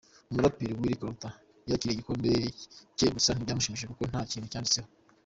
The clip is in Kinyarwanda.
Umuraperi Willy Karuta yakiriye igikombe cye gusa ntibyamushimisha kuko nta kintu cyanditseho.